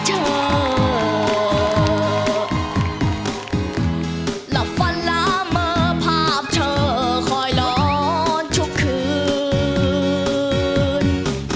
หลับฟันละเมอร์ภาพเธอคอยร้อนทุกคืน